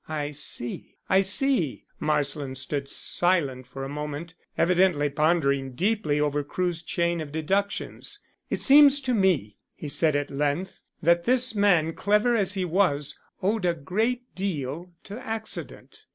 "I see I see," Marsland stood silent for a moment evidently pondering deeply over Crewe's chain of deductions. "It seems to me," he said at length, "that this man, clever as he was, owed a great deal to accident."